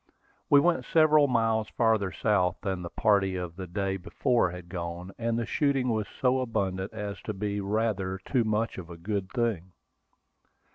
We went several miles farther south than the party of the day before had gone; and the shooting was so abundant as to be "rather too much of a good thing."